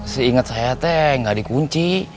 seinget saya teh ga dikunci